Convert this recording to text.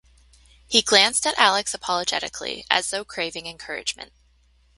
He glanced at Alex apologetically, as though craving encouragement.